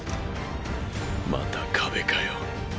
また壁かよ。